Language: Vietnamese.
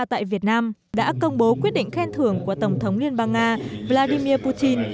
tại việt nam đã công bố quyết định khen thưởng của tổng thống liên bang nga vladimir putin